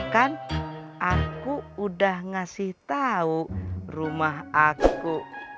kan aku udah ngasih tahu rumah aku